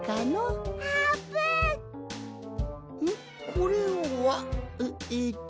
これは？ええっと？